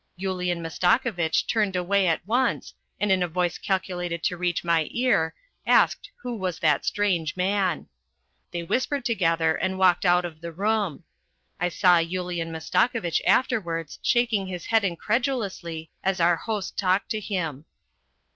Yulian Mastakovitch turned away at once, and in a voice calculated to reach my ear, asked who was that strange young man ? They whispered together and walked out of the room. I saw Yulian Mastakovitch afterwards shaking his head incredulously as our host talked to him.